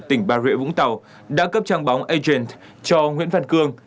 tỉnh bà rịa vũng tàu đã cấp trang bóng agent cho nguyễn văn cương